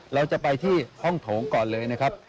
เราจะไปที่ห้องโถงก่อนเลยนะครับ